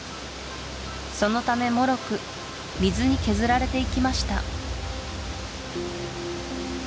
そのため脆く水に削られていきました